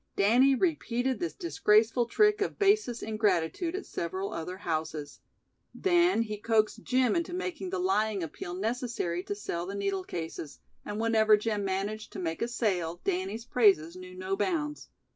Danny repeated this disgraceful trick of basest ingratitude at several other houses. Then he coaxed Jim into making the lying appeal necessary to sell the needle cases, and whenever Jim managed to make a sale Danny's praises knew no bounds.